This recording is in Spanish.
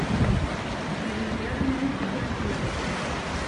Pero el peor enemigo fue el fuego.